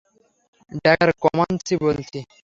Dagger, Comanche বলছি।